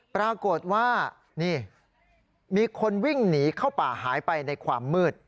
ปรากฏว่านี่มีคนวิ่งหนีเข้าป่าหายไปในความมืด